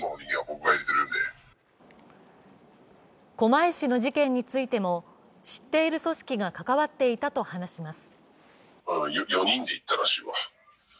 狛江市の事件についても知っている組織が関わっていたと話します。